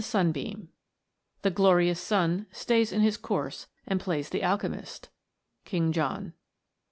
ujit of " The glorious sun Stays in his course, and plays the alchemist." King John.